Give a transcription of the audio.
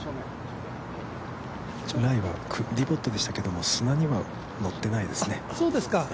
ライはディボットでしたけど砂には、のっていないですね。